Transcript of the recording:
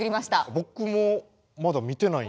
僕もまだ見てないんで。